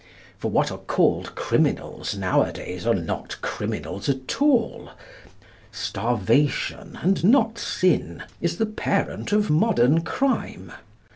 For what are called criminals nowadays are not criminals at all. Starvation, and not sin, is the parent of modern crime.